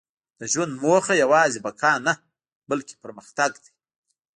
• د ژوند موخه یوازې بقا نه، بلکې پرمختګ دی.